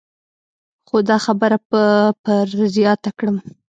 خو دا خبره به پر زیاته کړم.